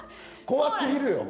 怖すぎるよ！